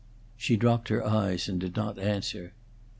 She dropped her eyes and did not answer.